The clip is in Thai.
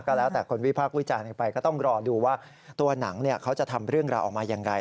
ก็แล้วแต่คนวิพากษ์วิจารณ์กันไปก็ต้องรอดูว่าตัวหนังเขาจะทำเรื่องราวออกมาอย่างไร